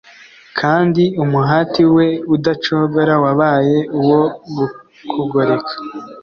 kandi umuhati we udacogora wabaye uwo kugoreka